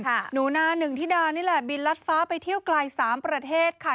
หนูนาหนึ่งธิดานี่แหละบินรัดฟ้าไปเที่ยวไกล๓ประเทศค่ะ